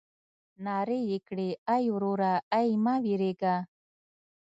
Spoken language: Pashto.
نارې يې کړې ای وروره ای مه وېرېږه.